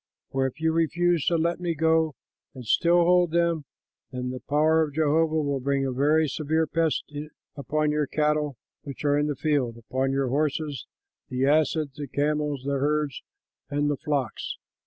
For if you refuse to let them go and still hold them, then the power of Jehovah will bring a very severe pest upon your cattle which are in the field, upon the horses, the asses, the camels, the herds, and the flocks.